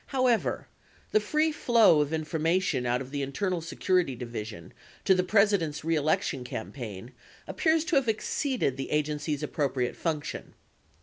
However, the free flow of in formation out of the Internal Security Division to the President's re election campaign appears to have exceeded the agency's appropriate function.